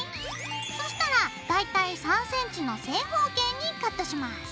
そうしたら大体３ｃｍの正方形にカットします。